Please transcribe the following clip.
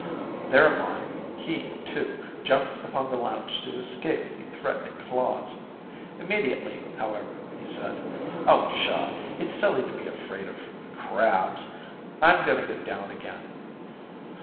Thereupon, he, too, jumped upon the lounge to escape the threatening claws. Immediately, however, he said: "Oh, pshaw, it's silly to be afraid of crabs. I'm going to get down again."